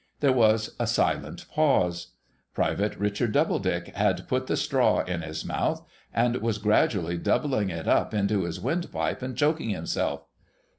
There was a silent pause. Private Richard Doubledick had put 72 THE SEVEN POOR TRAVELLERS the straw in his mouth, and was gradually doubling it up into his windpipe and choking himself.